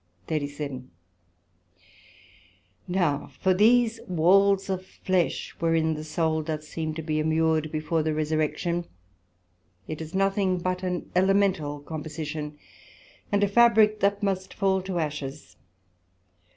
SECT.37 Now for these walls of flesh, wherein the Soul doth seem to be immured, before the Resurrection, it is nothing but an elemental composition, and a Fabrick that must fall to ashes.